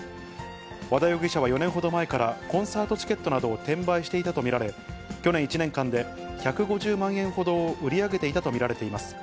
和田容疑者は４年ほど前からコンサートチケットなどを転売していたと見られ、去年１年間で１５０万円ほどを売り上げていたと見られています。